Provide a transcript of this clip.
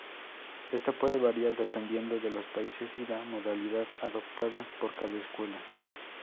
Esto puede variar dependiendo de los países y la modalidad adoptada por cada escuela.